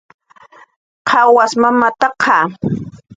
¿Qawas mamataqa?